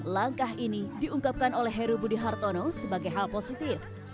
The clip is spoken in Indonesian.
langkah ini diungkapkan oleh heru budi hartono sebagai hal positif